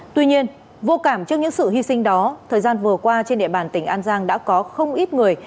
tuy nhiên vô cảm trước những sự hy sinh đó thời gian vừa qua trên địa bàn tỉnh an giang đã có không ít người